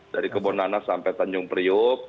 dari kebodadas sampai tanjung priu